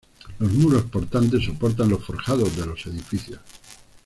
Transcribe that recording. Los muros portantes soportan los forjados de los edificios.